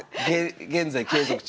現在継続中。